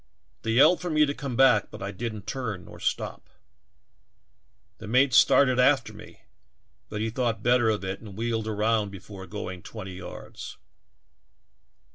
They yelled for me to come back but I didn't turn nor stop. The mate started after me, but he thought better of it and wheeled around before going twenty yards.